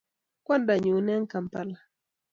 kwanda nyun eng Kampala.